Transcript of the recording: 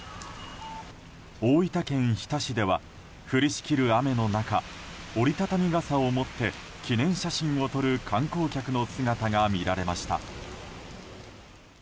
大分県日田市では降りしきる雨の中折り畳み傘を持って記念写真を撮る観光客の姿が見られました。